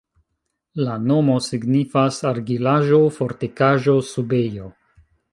La nomo signifas: argilaĵo-fortikaĵo-subejo.